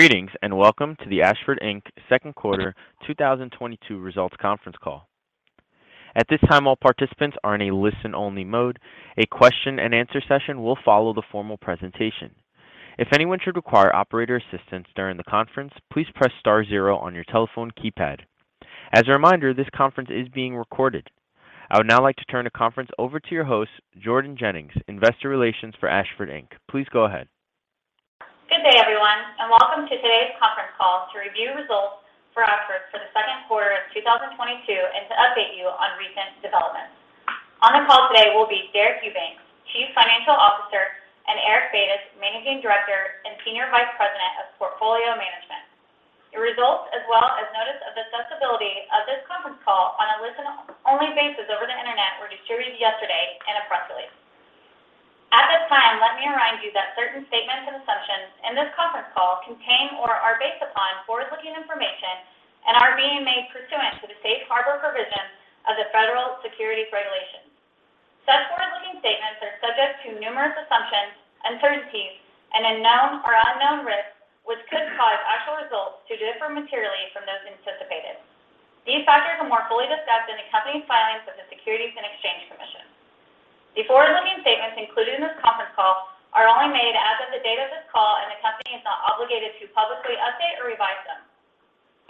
Greetings, and welcome to the Ashford Inc. second quarter 2022 results conference call. At this time, all participants are in a listen-only mode. A question-and-answer session will follow the formal presentation. If anyone should require operator assistance during the conference, please press star zero on your telephone keypad. As a reminder, this conference is being recorded. I would now like to turn the conference over to your host, Jordan Jennings, Investor Relations for Ashford Inc. Please go ahead. Good day, everyone, and welcome to today's conference call to review results for Ashford for the second quarter of 2022, and to update you on recent developments. On the call today will be Deric Eubanks, Chief Financial Officer, and Eric Batis, Managing Director and Senior Vice President of Portfolio Management. The results, as well as notice of accessibility of this conference call on a listen-only basis over the Internet, were distributed yesterday in a press release. At this time, let me remind you that certain statements and assumptions in this conference call contain or are based upon forward-looking information and are being made pursuant to the safe harbor provisions of the federal securities laws. Such forward-looking statements are subject to numerous assumptions, uncertainties, and unknown risks, which could cause actual results to differ materially from those anticipated. These factors are more fully discussed in the company's filings with the Securities and Exchange Commission. The forward-looking statements included in this conference call are only made as of the date of this call, and the company is not obligated to publicly update or revise them.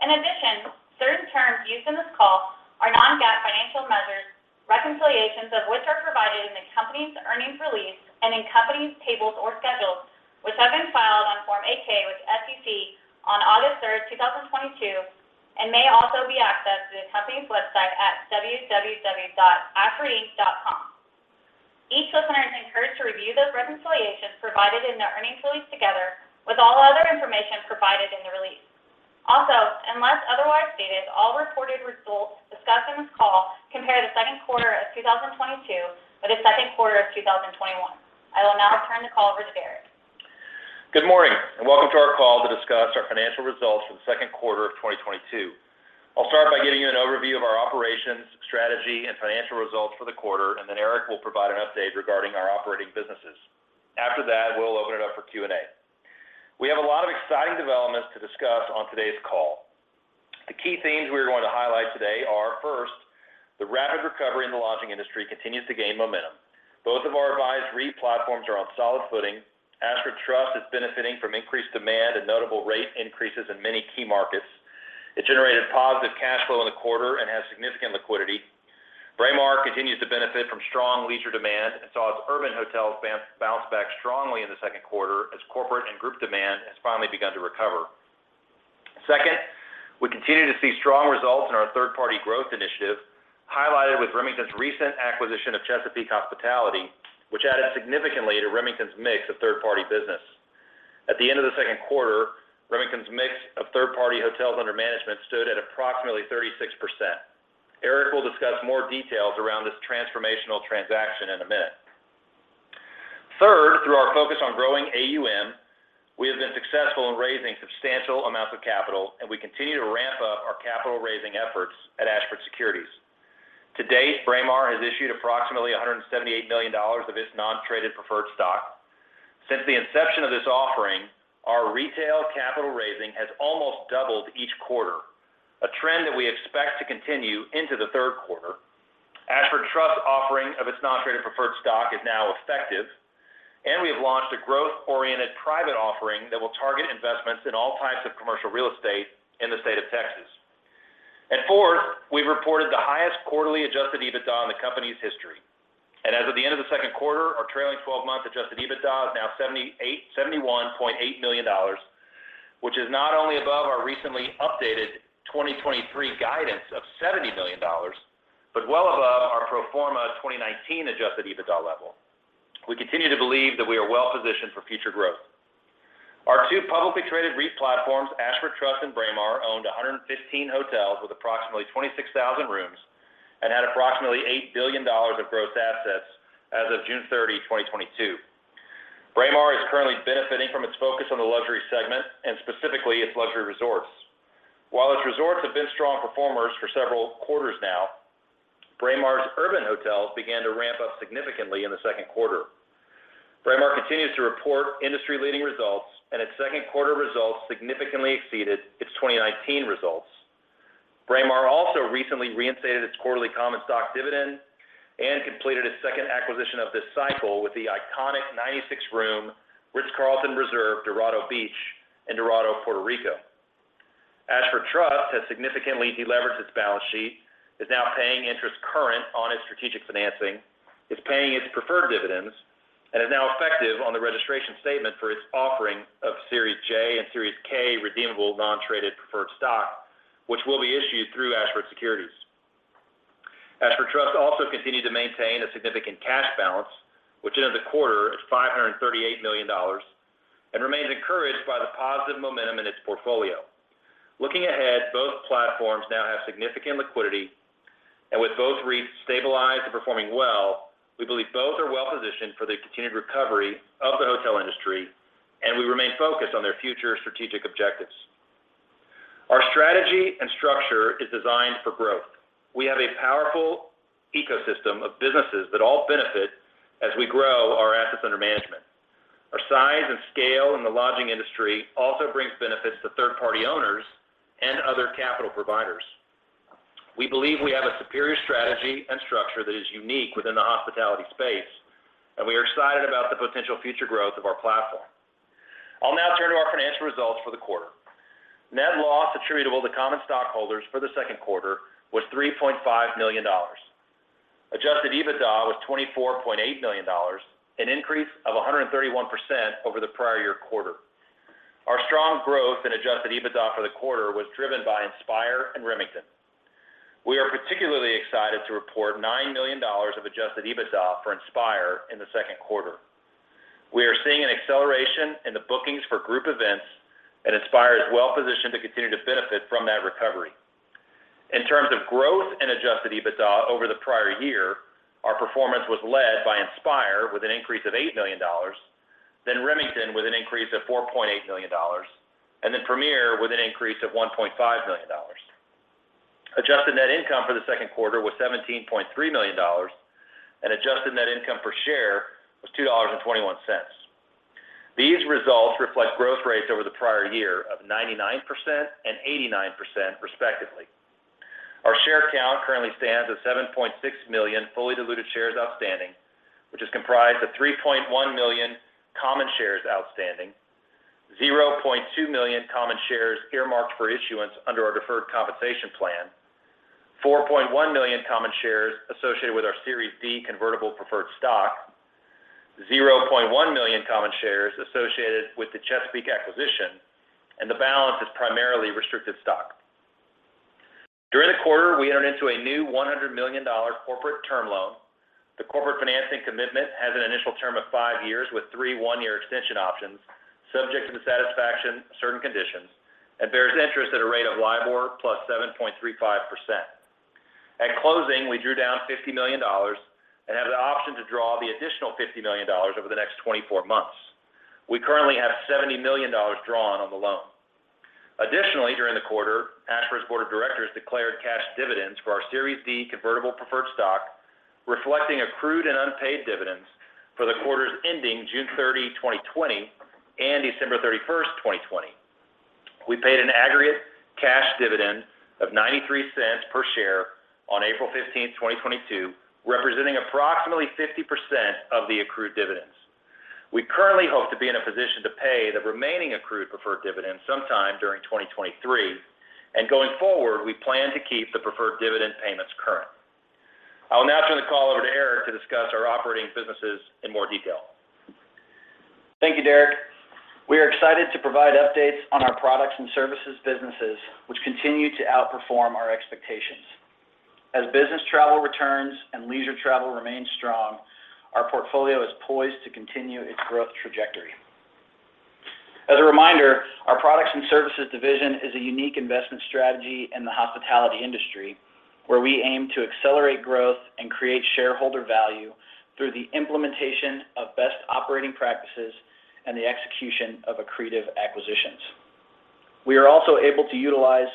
In addition, certain terms used in this call are non-GAAP financial measures, reconciliations of which are provided in the company's earnings release and in the company's tables or schedules, which have been filed on Form 8-K with the SEC on August 3, 2022, and may also be accessed through the company's website at www.ashfordinc.com. Each listener is encouraged to review those reconciliations provided in the earnings release together with all other information provided in the release. Also, unless otherwise stated, all reported results discussed in this call compare the second quarter of 2022 with the second quarter of 2021. I will now turn the call over to Deric. Good morning, and welcome to our call to discuss our financial results for the second quarter of 2022. I'll start by giving you an overview of our operations, strategy, and financial results for the quarter, and then Eric will provide an update regarding our operating businesses. After that, we'll open it up for Q&A. We have a lot of exciting developments to discuss on today's call. The key themes we are going to highlight today are, first, the rapid recovery in the lodging industry continues to gain momentum. Both of our advised REIT platforms are on solid footing. Ashford Trust is benefiting from increased demand and notable rate increases in many key markets. It generated positive cash flow in the quarter and has significant liquidity. Braemar continues to benefit from strong leisure demand and saw its urban hotels bounce back strongly in the second quarter as corporate and group demand has finally begun to recover. Second, we continue to see strong results in our third-party growth initiative, highlighted with Remington's recent acquisition of Chesapeake Hospitality, which added significantly to Remington's mix of third-party business. At the end of the second quarter, Remington's mix of third-party hotels under management stood at approximately 36%. Eric will discuss more details around this transformational transaction in a minute. Third, through our focus on growing AUM, we have been successful in raising substantial amounts of capital, and we continue to ramp up our capital raising efforts at Ashford Securities. To date, Braemar has issued approximately $178 million of its non-traded preferred stock. Since the inception of this offering, our retail capital raising has almost doubled each quarter, a trend that we expect to continue into the third quarter. Ashford Trust offering of its non-traded preferred stock is now effective, and we have launched a growth-oriented private offering that will target investments in all types of commercial real estate in the state of Texas. Fourth, we've reported the highest quarterly Adjusted EBITDA in the company's history. As of the end of the second quarter, our trailing twelve-month Adjusted EBITDA is now $71.8 million, which is not only above our recently updated 2023 guidance of $70 million, but well above our pro forma 2019 Adjusted EBITDA level. We continue to believe that we are well-positioned for future growth. Our two publicly traded REIT platforms, Ashford Trust and Braemar, owned 115 hotels with approximately 26,000 rooms and had approximately $8 billion of gross assets as of June 30, 2022. Braemar is currently benefiting from its focus on the luxury segment and specifically its luxury resorts. While its resorts have been strong performers for several quarters now, Braemar's urban hotels began to ramp up significantly in the second quarter. Braemar continues to report industry-leading results, and its second quarter results significantly exceeded its 2019 results. Braemar also recently reinstated its quarterly common stock dividend and completed its second acquisition of this cycle with the iconic 96-room Ritz-Carlton Reserve Dorado Beach in Dorado, Puerto Rico. Ashford Hospitality Trust has significantly deleveraged its balance sheet, is now paying interest current on its strategic financing, is paying its preferred dividends, and is now effective on the registration statement for its offering of Series J and Series K redeemable non-traded preferred stock, which will be issued through Ashford Securities. Ashford Hospitality Trust also continued to maintain a significant cash balance, which ended the quarter at $538 million, and remains encouraged by the positive momentum in its portfolio. Looking ahead, both platforms now have significant liquidity, and with both REITs stabilized and performing well, we believe both are well-positioned for the continued recovery of the hotel industry, and we remain focused on their future strategic objectives. Our strategy and structure is designed for growth. We have a powerful ecosystem of businesses that all benefit as we grow our assets under management. Our size and scale in the lodging industry also brings benefits to third-party owners and other capital providers. We believe we have a superior strategy and structure that is unique within the hospitality space, and we are excited about the potential future growth of our platform. I'll now turn to our financial results for the quarter. Net loss attributable to common stockholders for the second quarter was $3.5 million. Adjusted EBITDA was $24.8 million, an increase of 131% over the prior year quarter. Our strong growth in Adjusted EBITDA for the quarter was driven by INSPIRE and Remington. We are particularly excited to report $9 million of Adjusted EBITDA for INSPIRE in the second quarter. We are seeing an acceleration in the bookings for group events and INSPIRE is well positioned to continue to benefit from that recovery. In terms of growth in Adjusted EBITDA over the prior year, our performance was led by INSPIRE with an increase of $8 million, then Remington with an increase of $4.8 million, and then Premier with an increase of $1.5 million. Adjusted net income for the second quarter was $17.3 million, and adjusted net income per share was $2.21. These results reflect growth rates over the prior year of 99% and 89% respectively. Our share count currently stands at 7.6 million fully diluted shares outstanding, which is comprised of 3.1 million common shares outstanding, 0.2 million common shares earmarked for issuance under our deferred compensation plan, 4.1 million common shares associated with our Series D convertible preferred stock, 0.1 million common shares associated with the Chesapeake acquisition, and the balance is primarily restricted stock. During the quarter, we entered into a new $100 million corporate term loan. The corporate financing commitment has an initial term of five years with three one-year extension options, subject to the satisfaction of certain conditions, and bears interest at a rate of LIBOR plus 7.35%. At closing, we drew down $50 million and have the option to draw the additional $50 million over the next 24 months. We currently have $70 million drawn on the loan. Additionally, during the quarter, Ashford's board of directors declared cash dividends for our Series D convertible preferred stock, reflecting accrued and unpaid dividends for the quarters ending June 30, 2020 and December 31, 2020. We paid an aggregate cash dividend of $0.93 per share on April 15, 2022, representing approximately 50% of the accrued dividends. We currently hope to be in a position to pay the remaining accrued preferred dividends sometime during 2023, and going forward, we plan to keep the preferred dividend payments current. I'll now turn the call over to Eric to discuss our operating businesses in more detail. Thank you, Deric. We are excited to provide updates on our products and services businesses, which continue to outperform our expectations. As business travel returns and leisure travel remains strong, our portfolio is poised to continue its growth trajectory. As a reminder, our products and services division is a unique investment strategy in the hospitality industry, where we aim to accelerate growth and create shareholder value through the implementation of best operating practices and the execution of accretive acquisitions. We are also able to utilize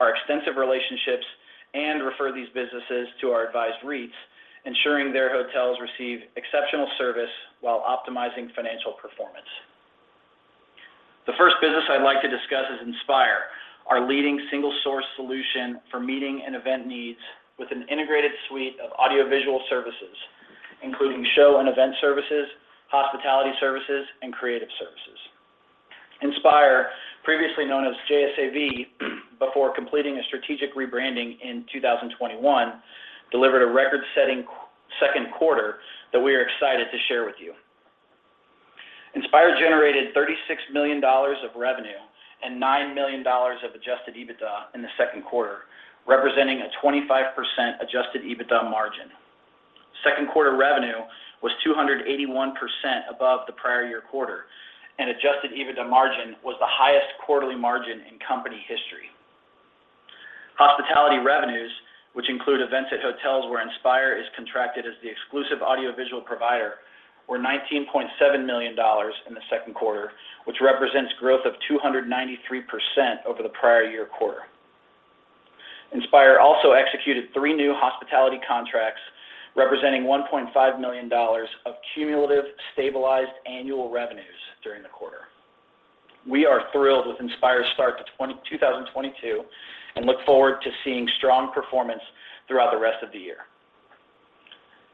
our extensive relationships and refer these businesses to our advised REITs, ensuring their hotels receive exceptional service while optimizing financial performance. The first business I'd like to discuss is INSPIRE, our leading single-source solution for meeting and event needs with an integrated suite of audiovisual services, including show and event services, hospitality services, and creative services. INSPIRE, previously known as JSAV before completing a strategic rebranding in 2021, delivered a record-setting second quarter that we are excited to share with you. INSPIRE generated $36 million of revenue and $9 million of Adjusted EBITDA in the second quarter, representing a 25% Adjusted EBITDA margin. Second quarter revenue was 281% above the prior year quarter, and Adjusted EBITDA margin was the highest quarterly margin in company history. Hospitality revenues, which include events at hotels where INSPIRE is contracted as the exclusive audiovisual provider, were $19.7 million in the second quarter, which represents growth of 293% over the prior year quarter. INSPIRE also executed three new hospitality contracts, representing $1.5 million of cumulative stabilized annual revenues during the quarter. We are thrilled with INSPIRE's start to 2022 and look forward to seeing strong performance throughout the rest of the year.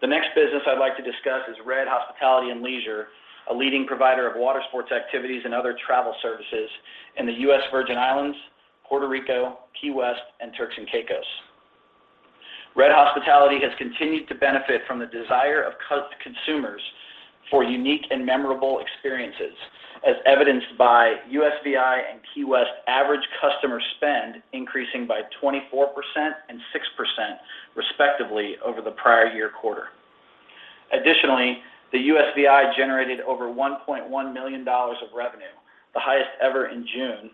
The next business I'd like to discuss is RED Hospitality and Leisure, a leading provider of watersports activities and other travel services in the US Virgin Islands, Puerto Rico, Key West, and Turks and Caicos. RED Hospitality has continued to benefit from the desire of consumers for unique and memorable experiences, as evidenced by USVI and Key West average customer spend increasing by 24% and 6% respectively over the prior year quarter. Additionally, the USVI generated over $1.1 million of revenue, the highest ever in June,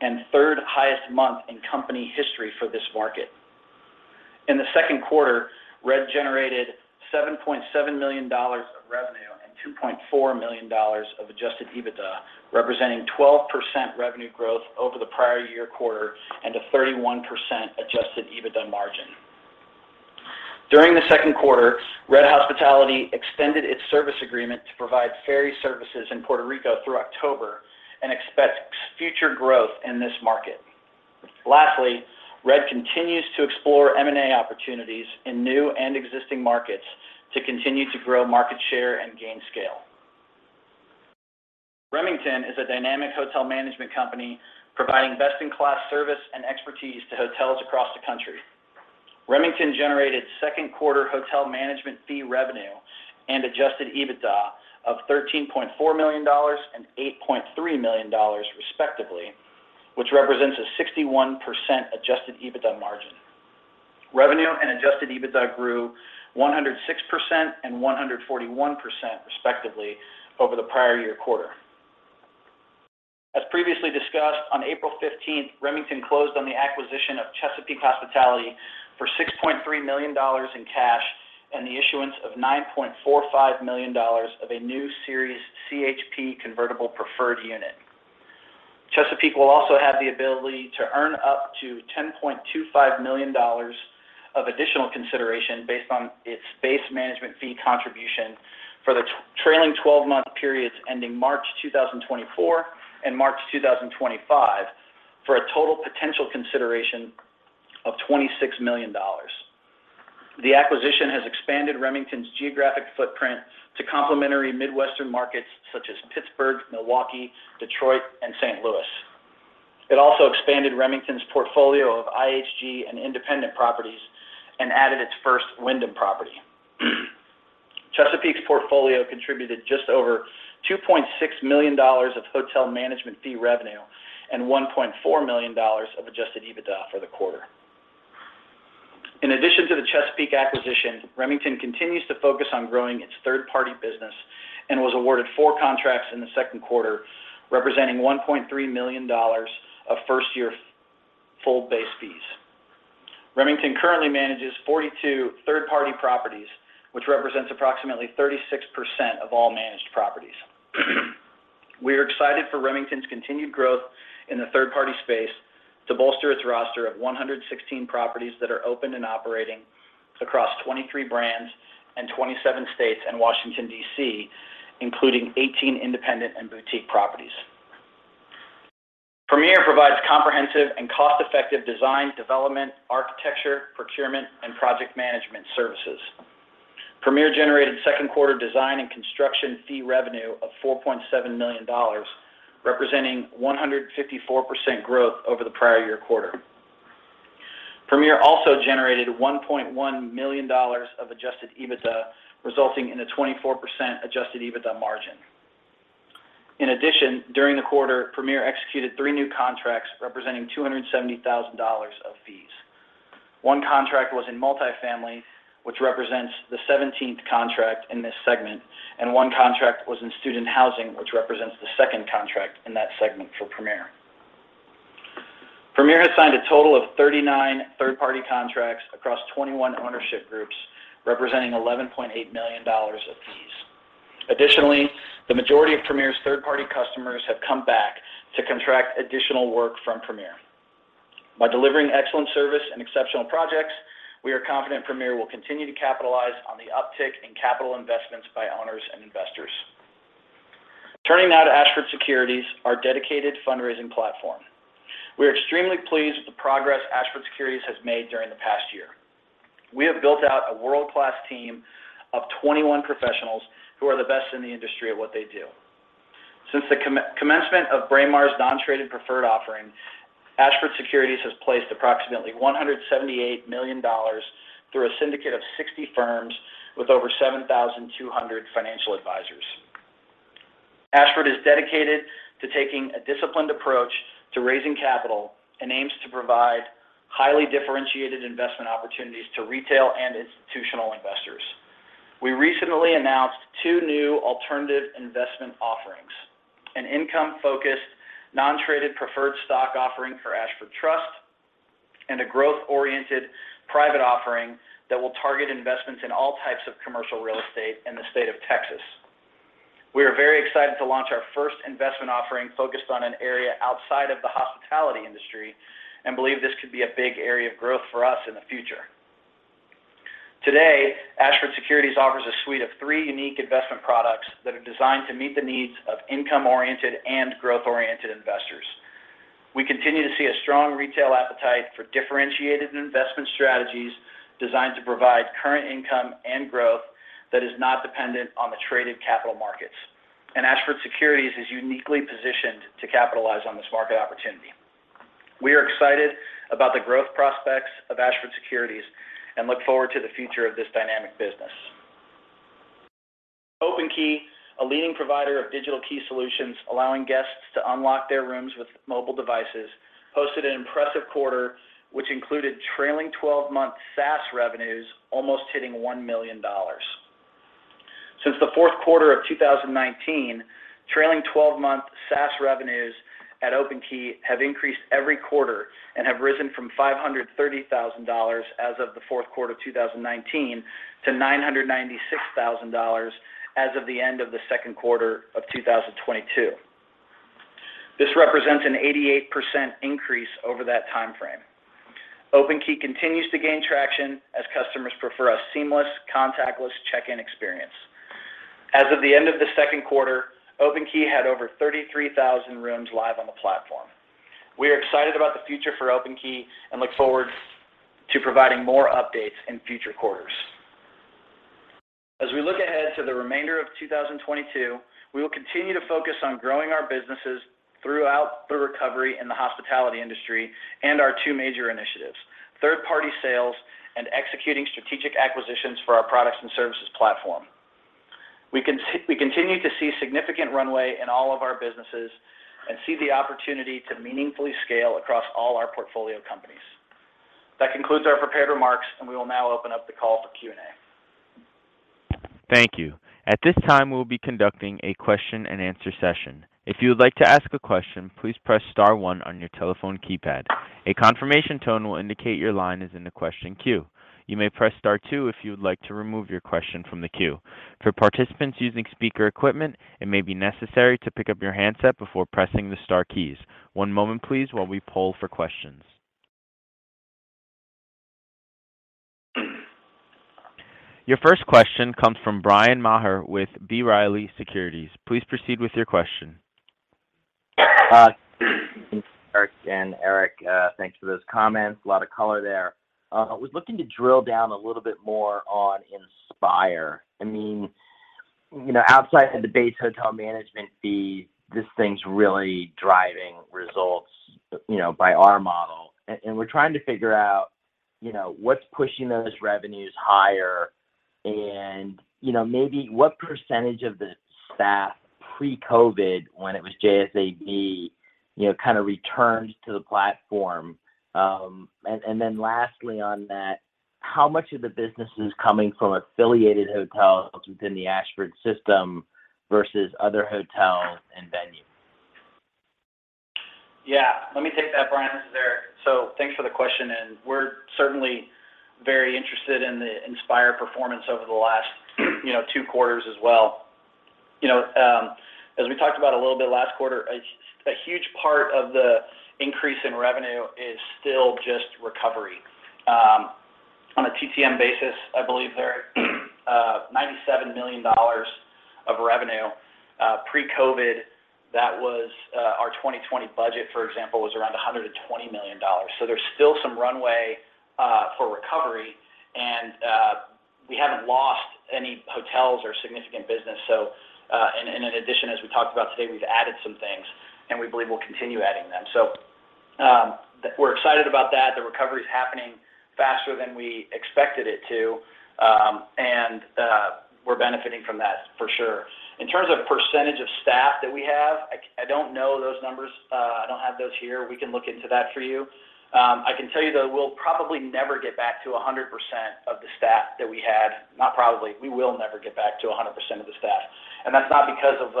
and third highest month in company history for this market. In the second quarter, RED generated $7.7 million of revenue and $2.4 million of Adjusted EBITDA, representing 12% revenue growth over the prior year quarter and a 31% Adjusted EBITDA margin. During the second quarter, RED Hospitality extended its service agreement to provide ferry services in Puerto Rico through October and expects future growth in this market. Lastly, RED continues to explore M&A opportunities in new and existing markets to continue to grow market share and gain scale. Remington is a dynamic hotel management company providing best-in-class service and expertise to hotels across the country. Remington generated second quarter hotel management fee revenue and Adjusted EBITDA of $13.4 million and $8.3 million, respectively, which represents a 61% Adjusted EBITDA margin. Revenue and Adjusted EBITDA grew 106% and 141%, respectively, over the prior year quarter. As previously discussed, on April 15th, Remington closed on the acquisition of Chesapeake Hospitality for $6.3 million in cash and the issuance of $9.45 million of a new Series CHP Convertible Preferred Unit. Chesapeake will also have the ability to earn up to $10.25 million of additional consideration based on its base management fee contribution for the trailing 12-month periods ending March 2024 and March 2025 for a total potential consideration of $26 million. The acquisition has expanded Remington's geographic footprint to complementary Midwestern markets such as Pittsburgh, Milwaukee, Detroit, and St. Louis. It also expanded Remington's portfolio of IHG and independent properties and added its first Wyndham property. Chesapeake's portfolio contributed just over $2.6 million of hotel management fee revenue and $1.4 million of Adjusted EBITDA for the quarter. In addition to the Chesapeake Hospitality acquisition, Remington continues to focus on growing its third-party business and was awarded four contracts in the second quarter representing $1.3 million of first-year full base fees. Remington currently manages 42 third-party properties, which represents approximately 36% of all managed properties. We are excited for Remington's continued growth in the third-party space to bolster its roster of 116 properties that are open and operating across 23 brands and 27 states and Washington, D.C., including 18 independent and boutique properties. Premier provides comprehensive and cost-effective design, development, architecture, procurement, and project management services. Premier generated second-quarter design and construction fee revenue of $4.7 million, representing 154% growth over the prior year quarter. Premier also generated $1.1 million of Adjusted EBITDA, resulting in a 24% Adjusted EBITDA margin. In addition, during the quarter, Premier executed three new contracts representing $270,000 of fees. One contract was in multifamily, which represents the 17th contract in this segment, and one contract was in student housing, which represents the second contract in that segment for Premier. Premier has signed a total of 39 third-party contracts across 21 ownership groups, representing $11.8 million of fees. Additionally, the majority of Premier's third-party customers have come back to contract additional work from Premier. By delivering excellent service and exceptional projects, we are confident Premier will continue to capitalize on the uptick in capital investments by owners and investors. Turning now to Ashford Securities, our dedicated fundraising platform. We are extremely pleased with the progress Ashford Securities has made during the past year. We have built out a world-class team of 21 professionals who are the best in the industry at what they do. Since the commencement of Braemar's non-traded preferred offering, Ashford Securities has placed approximately $178 million through a syndicate of 60 firms with over 7,200 financial advisors. Ashford is dedicated to taking a disciplined approach to raising capital and aims to provide highly differentiated investment opportunities to retail and institutional investors. We recently announced two new alternative investment offerings, an income-focused non-traded preferred stock offering for Ashford Hospitality Trust and a growth-oriented private offering that will target investments in all types of commercial real estate in the state of Texas. We are very excited to launch our first investment offering focused on an area outside of the hospitality industry and believe this could be a big area of growth for us in the future. Today, Ashford Securities offers a suite of three unique investment products that are designed to meet the needs of income-oriented and growth-oriented investors. We continue to see a strong retail appetite for differentiated investment strategies designed to provide current income and growth that is not dependent on the traded capital markets. Ashford Securities is uniquely positioned to capitalize on this market opportunity. We are excited about the growth prospects of Ashford Securities and look forward to the future of this dynamic business. OpenKey, a leading provider of digital key solutions allowing guests to unlock their rooms with mobile devices, hosted an impressive quarter which included trailing 12-month SaaS revenues almost hitting $1 million. Since the fourth quarter of 2019, trailing 12-month SaaS revenues at OpenKey have increased every quarter and have risen from $530,000 as of the fourth quarter of 2019 to $996,000 as of the end of the second quarter of 2022. This represents an 88% increase over that time frame. OpenKey continues to gain traction as customers prefer a seamless contactless check-in experience. As of the end of the second quarter, OpenKey had over 33,000 rooms live on the platform. We are excited about the future for OpenKey and look forward to providing more updates in future quarters. As we look ahead to the remainder of 2022, we will continue to focus on growing our businesses throughout the recovery in the hospitality industry and our two major initiatives, third-party sales and executing strategic acquisitions for our products and services platform. We continue to see significant runway in all of our businesses and see the opportunity to meaningfully scale across all our portfolio companies. That concludes our prepared remarks, and we will now open up the call for Q&A. Thank you. At this time, we will be conducting a question-and-answer session. If you would like to ask a question, please press star one on your telephone keypad. A confirmation tone will indicate your line is in the question queue. You may press star two if you would like to remove your question from the queue. For participants using speaker equipment, it may be necessary to pick up your handset before pressing the star keys. One moment please while we poll for questions. Your first question comes from Bryan Maher with B. Riley Securities. Please proceed with your question. Thanks, Eric. Eric, thanks for those comments. A lot of color there. I was looking to drill down a little bit more on INSPIRE. I mean, you know, outside of the base hotel management fee, this thing's really driving results, you know, by our model. We're trying to figure out, you know, what's pushing those revenues higher and, you know, maybe what percentage of the staff pre-COVID when it was JSAV, you know, kind of returned to the platform. Then lastly on that, how much of the business is coming from affiliated hotels within the Ashford system versus other hotels and venues? Yeah, let me take that, Bryan. This is Eric. Thanks for the question, and we're certainly very interested in the INSPIRE performance over the last two quarters as well. You know, as we talked about a little bit last quarter, a huge part of the increase in revenue is still just recovery. On a TTM basis, I believe there are $97 million of revenue. Pre-COVID, that was our 2020 budget, for example, was around $120 million. There's still some runway for recovery, and we haven't lost any hotels or significant business. In addition, as we talked about today, we've added some things, and we believe we'll continue adding them. We're excited about that. The recovery is happening faster than we expected it to, we're benefiting from that for sure. In terms of percentage of staff that we have, I don't know those numbers. I don't have those here. We can look into that for you. I can tell you, though, we'll probably never get back to 100% of the staff that we had. Not probably, we will never get back to 100% of the staff. That's not because of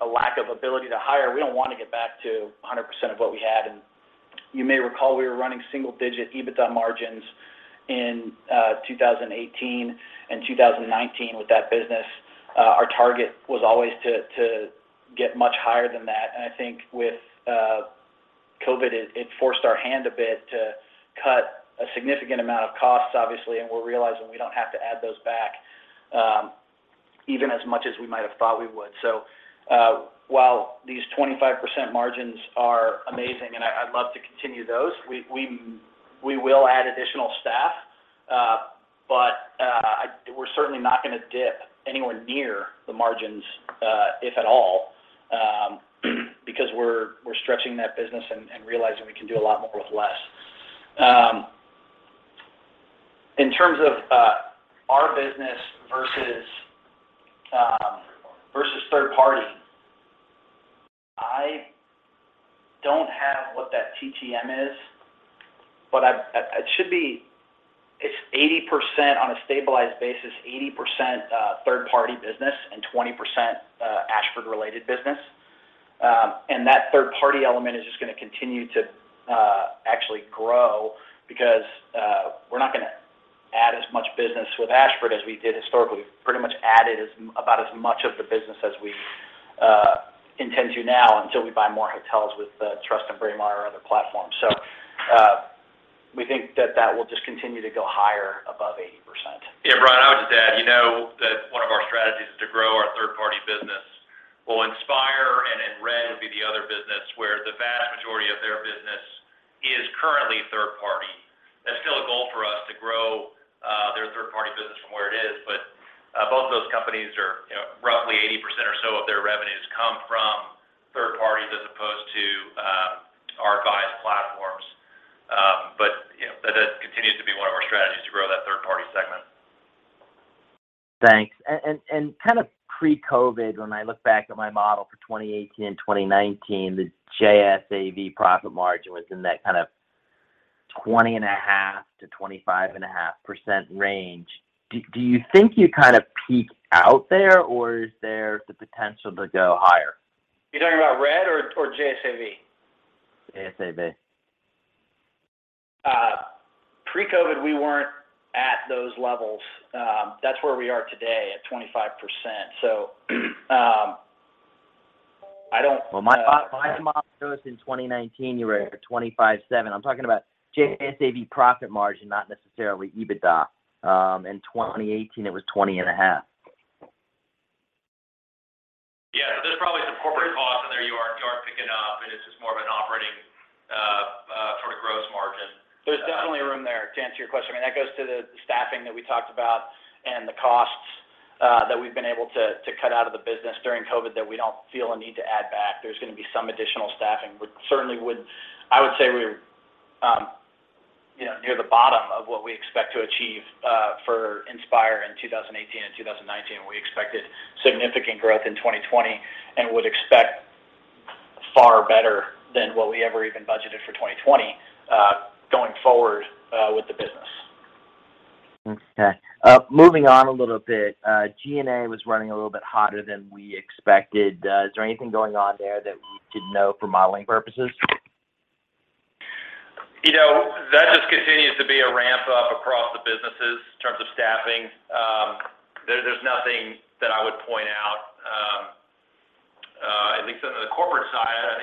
a lack of ability to hire. We don't want to get back to 100% of what we had. You may recall we were running single-digit EBITDA margins in 2018 and 2019 with that business. Our target was always to get much higher than that. I think with COVID, it forced our hand a bit to cut a significant amount of costs, obviously, and we're realizing we don't have to add those back, even as much as we might have thought we would. While these 25% margins are amazing, and I'd love to continue those, we will add additional staff. We're certainly not gonna dip anywhere near the margins, if at all, because we're stretching that business and realizing we can do a lot more with less. In terms of our business versus third party, I don't have what that TTM is, but it should be 80% on a stabilized basis, 80% third-party business and 20% Ashford-related business. that third-party element is just gonna continue to actually grow because we're not gonna add as much business with Ashford as we did historically. We've pretty much added about as much of the business as we intend to now until we buy more hotels with Trust and Braemar or other platforms. We think that will just continue to go higher above 80%. Yeah, Bryan, I would just add, you know, that one of our strategies is to grow our third-party business. Well, INSPIRE and then RED would be the other business where the vast majority of their business is currently third party. That's still a goal for us to grow their third-party business from where it is, but both of those companies are, you know, roughly 80% or so of their revenues come from third parties as opposed to our advised platforms. You know, that continues to be one of our strategies to grow that third-party segment. Thanks. Kind of pre-COVID, when I look back at my model for 2018 and 2019, the JSAV profit margin was in that kind of 20.5%-25.5% range. Do you think you kind of peaked out there, or is there the potential to go higher? You're talking about RED or JSAV? JSAV. Pre-COVID, we weren't at those levels. That's where we are today at 25%. I don't- My model shows in 2019, you were at 25.7%. I'm talking about JSAV profit margin, not necessarily EBITDA. In 2018, it was 20.5%. There's probably some corporate costs in there you aren't picking up, and it's just more of an operating sort of gross margin. There's definitely room there to answer your question. I mean, that goes to the staffing that we talked about and the costs that we've been able to cut out of the business during COVID that we don't feel a need to add back. There's gonna be some additional staffing. I would say we're, you know, near the bottom of what we expect to achieve for INSPIRE in 2018 and 2019. We expected significant growth in 2020 and would expect far better than what we ever even budgeted for 2020 going forward with the business. Okay. Moving on a little bit, G&A was running a little bit hotter than we expected. Is there anything going on there that we should know for modeling purposes? You know, that just continues to be a ramp up across the businesses in terms of staffing. There, there's nothing that I would point out, at least on the corporate side.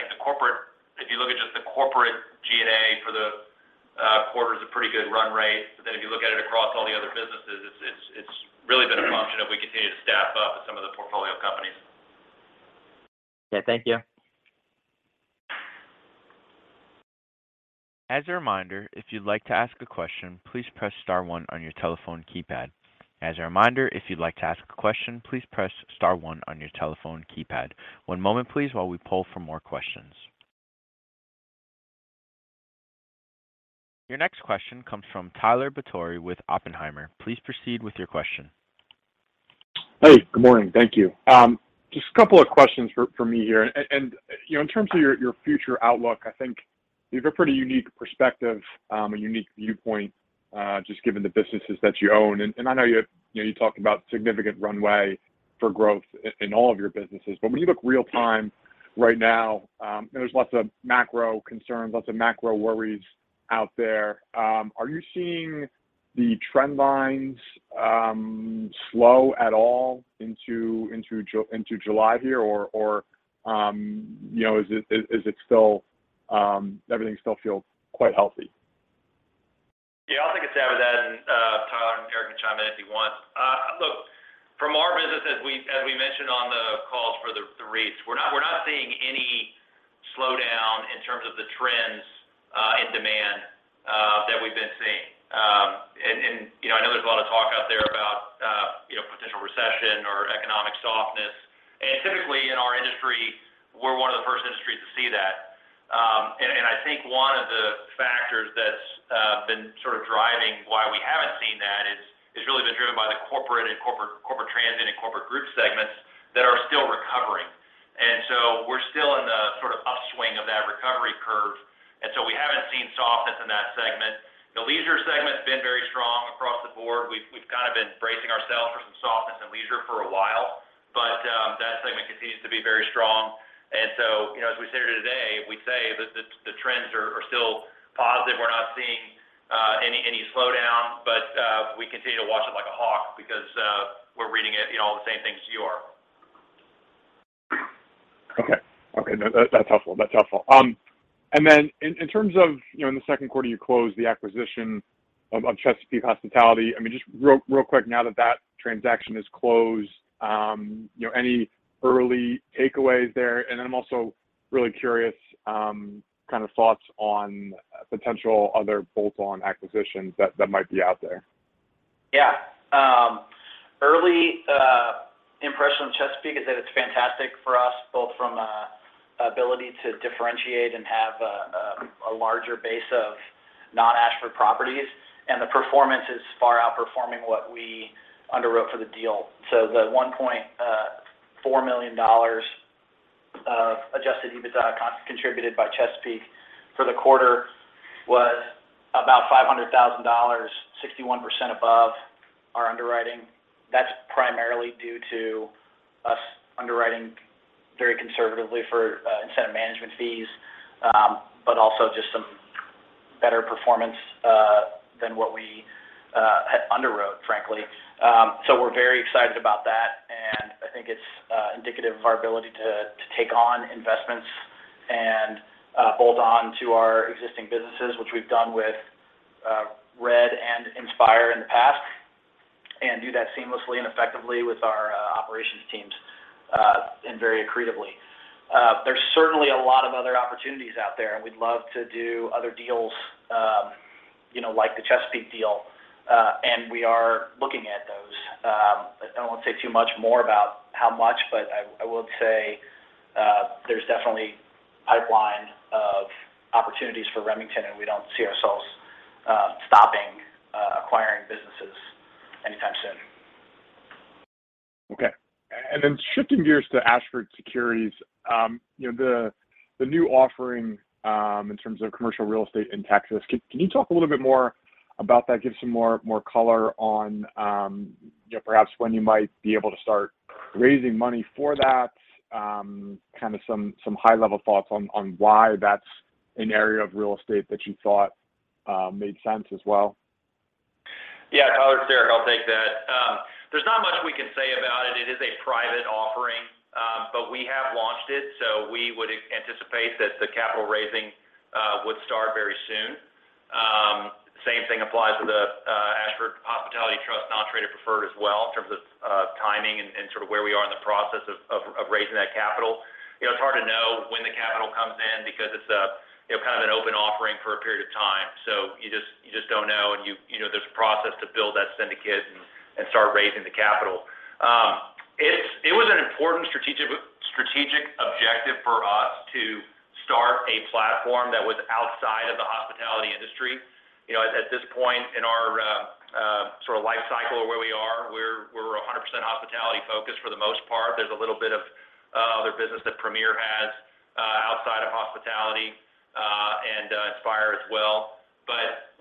If you look at just the corporate G&A for the quarter, is a pretty good run rate. Then if you look at it across all the other businesses, it's really been a function of we continue to staff up some of the portfolio companies. Okay. Thank you. As a reminder, if you'd like to ask a question, please press star one on your telephone keypad. As a reminder, if you'd like to ask a question, please press star one on your telephone keypad. One moment, please, while we pull for more questions. Your next question comes from Tyler Batory with Oppenheimer. Please proceed with your question. Hey, good morning. Thank you. Just a couple of questions for me here. You know, in terms of your future outlook, I think you have a pretty unique perspective, a unique viewpoint, just given the businesses that you own. I know you know, you talked about significant runway for growth in all of your businesses. But when you look real time right now, there's lots of macro concerns, lots of macro worries out there. Are you seeing the trend lines slow at all into July here? Or, you know, is it still everything still feels quite healthy? Yeah. I'll take a stab at that and Tyler and Eric can chime in if you want. Look, from our business, as we mentioned on the calls for the REITs, we're not seeing any slowdown in terms of the trends in demand that we've been seeing. You know, I know there's a lot of talk out there about you know, potential recession or economic softness. Typically in our industry, we're one of the first industries to see that. I think one of the factors that's been sort of driving why we haven't seen that is really been driven by the corporate transient and corporate group segments that are still recovering. We're still in the sort of upswing of that recovery curve, and so we haven't seen softness in that segment. The leisure segment's been very strong across the board. We've kind of been bracing ourselves for some softness in leisure for a while, but that segment continues to be very strong. You know, as we sit here today, we say the trends are still positive. We're not seeing any slowdown, but we continue to watch it like a hawk because we're reading it, you know, the same thing as you are. Okay. That's helpful. In terms of, you know, in the second quarter, you closed the acquisition of Chesapeake Hospitality. I mean, just real quick now that transaction is closed, you know, any early takeaways there? I'm also really curious, kind of thoughts on potential other bolt-on acquisitions that might be out there. Yeah. Early impression on Chesapeake is that it's fantastic for us both from ability to differentiate and have a larger base of non-Ashford properties, and the performance is far outperforming what we underwrote for the deal. The $1.4 million of Adjusted EBITDA contributed by Chesapeake for the quarter was about $500,000, 61% above our underwriting. That's primarily due to us underwriting very conservatively for incentive management fees, but also just some better performance than what we had underwrote, frankly. We're very excited about that, and I think it's indicative of our ability to take on investments and hold on to our existing businesses, which we've done with RED and INSPIRE in the past, and do that seamlessly and effectively with our operations teams and very accretively. There's certainly a lot of other opportunities out there, and we'd love to do other deals, you know, like the Chesapeake deal, and we are looking at those. I won't say too much more about how much, but I would say there's definitely pipeline of opportunities for Remington, and we don't see ourselves. Anytime soon. Shifting gears to Ashford Securities, you know, the new offering in terms of commercial real estate in Texas. Can you talk a little bit more about that? Give some more color on, you know, perhaps when you might be able to start raising money for that? Kind of some high-level thoughts on why that's an area of real estate that you thought made sense as well. Yeah, Tyler, it's Eric. I'll take that. There's not much we can say about it. It is a private offering, but we have launched it, so we would anticipate that the capital raising would start very soon. Same thing applies to the Ashford Hospitality Trust non-traded preferred as well in terms of timing and sort of where we are in the process of raising that capital. You know, it's hard to know when the capital comes in because it's a kind of an open offering for a period of time, so you just don't know and you know, there's a process to build that syndicate and start raising the capital. It was an important strategic objective for us to start a platform that was outside of the hospitality industry. You know, at this point in our sort of life cycle of where we are, we're 100% hospitality-focused for the most part. There's a little bit of other business that Premier has outside of hospitality and INSPIRE as well.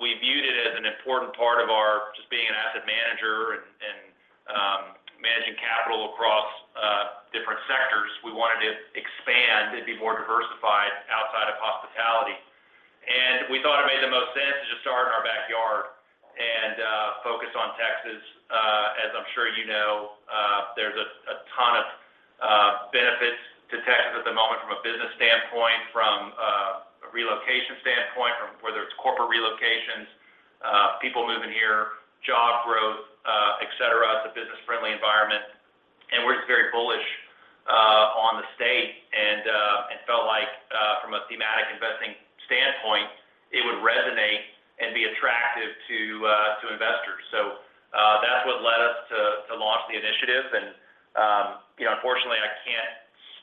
We viewed it as an important part of our just being an asset manager and managing capital across different sectors. We wanted to expand and be more diversified outside of hospitality. We thought it made the most sense to just start in our backyard and focus on Texas. As I'm sure you know, there's a ton of benefits to Texas at the moment from a business standpoint, from a relocation standpoint, from whether it's corporate relocations, people moving here, job growth, et cetera. It's a business-friendly environment, and we're just very bullish on the state and felt like from a thematic investing standpoint, it would resonate and be attractive to investors. That's what led us to launch the initiative and you know, unfortunately, I can't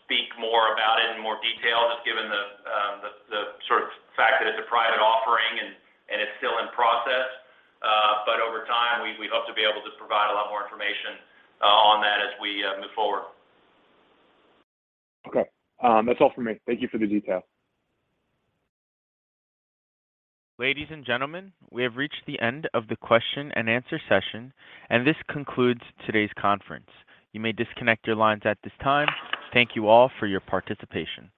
speak more about it in more detail just given the sort of fact that it's a private offering and it's still in process. Over time, we hope to be able to provide a lot more information on that as we move forward. Okay. That's all for me. Thank you for the detail. Ladies and gentlemen, we have reached the end of the question and answer session, and this concludes today's conference. You may disconnect your lines at this time. Thank you all for your participation.